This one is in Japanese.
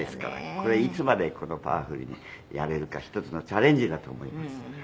これいつまでパワフルにやれるか一つのチャレンジだと思います。